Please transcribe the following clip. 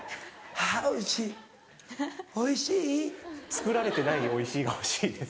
作られてない「おいしい」が欲しいです。